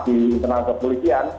jadi kenal kepolisian